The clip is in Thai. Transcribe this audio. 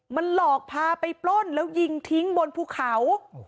มันหลอกพาไปปล้นแล้วยิงทิ้งบนภูเขา